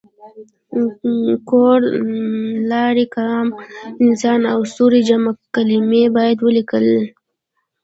کور، لار، قام، انسان او ستوری جمع کلمې باید ولیکي.